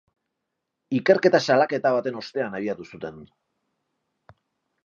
Ikerketa salaketa baten ostean abiatu zuten.